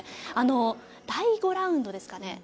第５ラウンドですかね